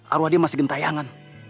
arwah dia masih gentayangan